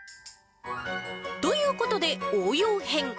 ということで、応用編。